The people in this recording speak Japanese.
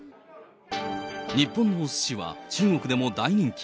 日本のすしは中国でも大人気。